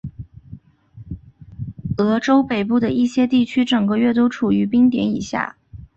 俄亥俄州北部的一些地区整个月都处于冰点以下。